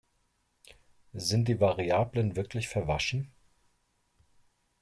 Sind die Variablen wirklich verwaschen?